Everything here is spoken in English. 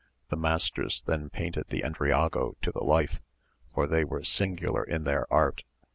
The masters then painted the Endriago to the life for they were singular in their art.